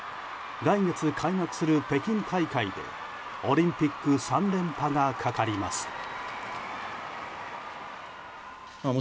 来月開幕する北京大会でオリンピック３連覇がかかります。